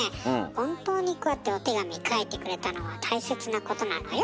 本当にこうやってお手紙書いてくれたのは大切なことなのよ。